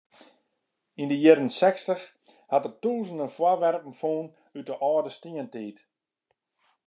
Yn de jierren sechstich hat er tûzenen foarwerpen fûn út de âlde stientiid.